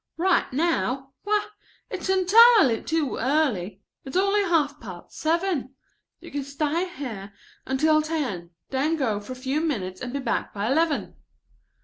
"Right now? Why, it's entirely too early. It's only half past seven. You can stay here until ten, then go for a few minutes and be back by eleven."